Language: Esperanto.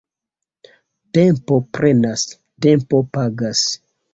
Tempo prenas, tempo pagas.